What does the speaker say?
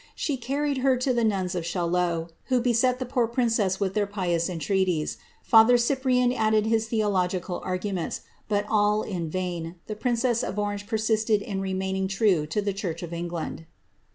She car if to the nuns of Chaillot, who beset the poor princess with their mtreaties ; father Cyprian added his theologiod atguments ; but vain, the princess of Orange persbted in remaining true to the I of England.